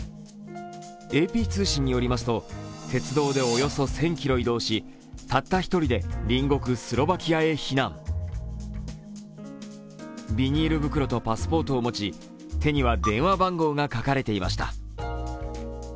ＡＰ通信によりますと鉄道でおよそ１０００キロ移動し、たった１人で隣国スロバキアへ避難ビニール袋とパスポートを持ち手には電話番号が書かれていました。